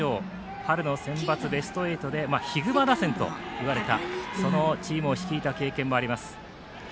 春のセンバツベスト８でヒグマ打線と呼ばれたそのチームを率いた経験もあります。